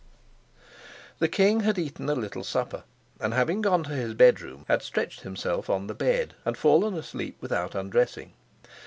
The king had eaten a little supper, and, having gone to his bedroom, had stretched himself on the bed and fallen asleep without undressing.